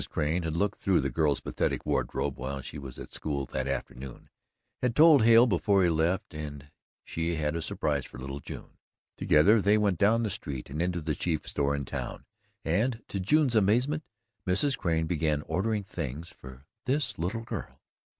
Crane had looked through the girl's pathetic wardrobe, while she was at school that afternoon, had told Hale before he left and she had a surprise for little June. Together they went down the street and into the chief store in town and, to June's amazement, Mrs. Crane began ordering things for "this little girl."